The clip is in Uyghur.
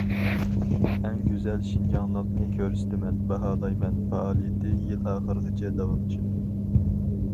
‹‹ ئەڭ گۈزەل شىنجاڭلىقنى كۆرسىتىمەن، باھالايمەن›› پائالىيىتى يىل ئاخىرىغىچە داۋاملىشىدۇ.